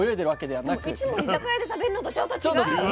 でもいつも居酒屋で食べるのとちょっと違う。